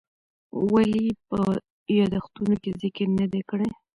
ولې یې په یادښتونو کې ذکر نه دی کړی؟